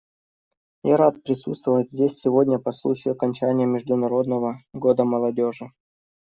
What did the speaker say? Я рад присутствовать здесь сегодня по случаю окончания Международного года молодежи.